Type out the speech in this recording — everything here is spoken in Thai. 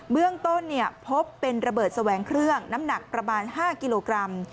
เบื้องต้นพบเป็นระเบิดแสวงเครื่องน้ำหนักประมาณ๕กิโลกรัม